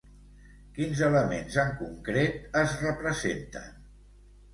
Quins elements en concret es representen?